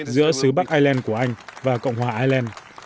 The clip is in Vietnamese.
giữa xứ bắc ireland của anh và cộng hòa ireland